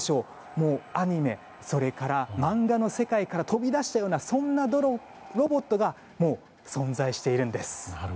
もうアニメ、それから漫画の世界から飛び出したようなそんなロボットがもう存在しているんです。